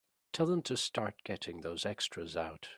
Tell them to start getting those extras out.